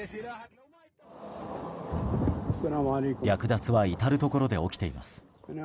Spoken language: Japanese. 略奪は至るところで起きています。